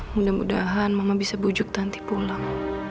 mudah mudahan mama bisa bujuk tantik pulang